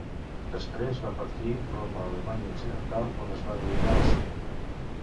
Després va partir rumb a Alemanya occidental on es va dedicar al cine.